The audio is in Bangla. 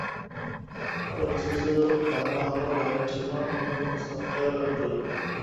আবার কিছু কিছু বাংলা হরফ লেখার জন্য অন্য কোনো সফটওয়্যার ব্যবহার করি।